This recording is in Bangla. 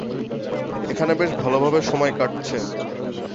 এখানে বেশ ভালভাবে সময় কাটছে।